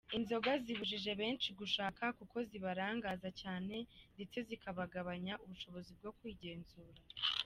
Inzoga zibujije benshi gushaka kuko zibarangaza cyane ndetse zikagabanya ubushobozi bwo kwigenzura.